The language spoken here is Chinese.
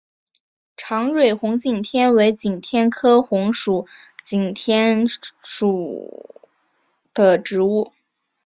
长蕊红景天为景天科红景天属的植物。